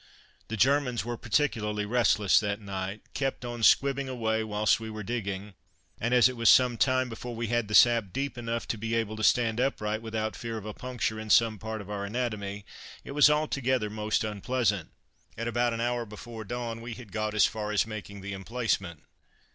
The Germans were particularly restless that night; kept on squibbing away whilst we were digging, and as it was some time before we had the sap deep enough to be able to stand upright without fear of a puncture in some part of our anatomy, it was altogether most unpleasant. At about an hour before dawn we had got as far as making the emplacement.